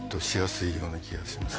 ような気がします。